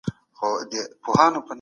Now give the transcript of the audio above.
فساد کول بدبختي راوړي.